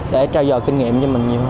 để trao dò kinh nghiệm cho mình nhiều hơn